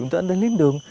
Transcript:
untuk hutan lindung